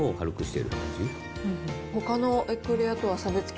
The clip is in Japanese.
ほかのエクレアとは差別化。